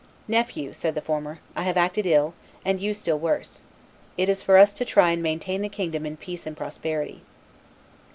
"Nephew," said the former, "I have acted ill, and you still worse. It is for us to try and maintain the kingdom in peace and prosperity."